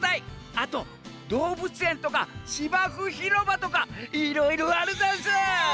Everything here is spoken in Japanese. あとどうぶつえんとかしばふひろばとかいろいろあるざんす！